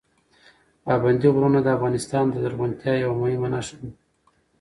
پابندي غرونه د افغانستان د زرغونتیا یوه مهمه نښه ده.